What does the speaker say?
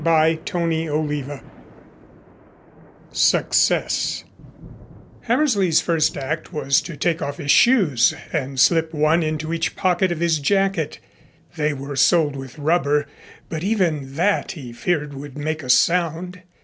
CHAPTER XVIII SUCCESS Hammersley's first act was to take off his shoes and slip one into each pocket of his jacket. They were soled with rubber, but even that he feared would make a sound.